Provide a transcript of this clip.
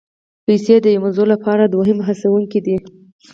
پیسې د یوې موضوع لپاره دوهمي هڅوونکي دي.